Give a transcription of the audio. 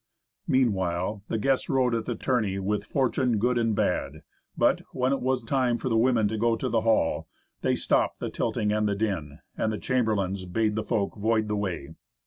Meanwhile the guests rode at the tourney with fortune good and bad, but, when it was time for the women to go to the hall, they stopped the tilting and the din, and the chamberlains bade the folk void the way.